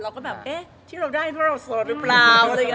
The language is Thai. เราก็แบบเอ๊ะที่เราได้ว่าเราโสดหรือเปล่า